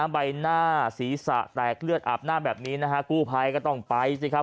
ใบหน้าศีรษะแตกเลือดอาบหน้าแบบนี้นะฮะกู้ภัยก็ต้องไปสิครับ